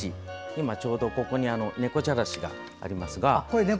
今ちょうど、ここにねこじゃらしがありますが。